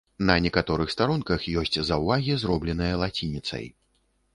На некаторых старонках ёсць заўвагі, зробленыя лацініцай.